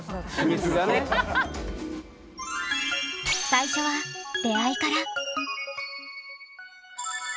最初は出会いから。